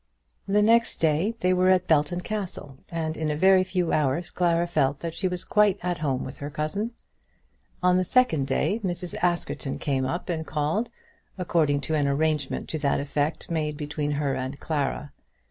The next day they were at Belton Castle, and in a very few hours Clara felt that she was quite at home with her cousin. On the second day Mrs. Askerton came up and called, according to an arrangement to that effect made between her and Clara.